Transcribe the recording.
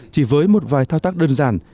chỉ với một vài thao tác đơn giản